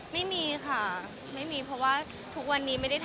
กับมินได้คุยไหมมั้ยเพราะว่าข่าวว่ามินเป็นคนติดต่อ